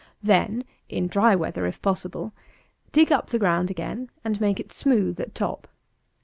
Then (in dry weather if possible) dig up the ground again, and make it smooth at top.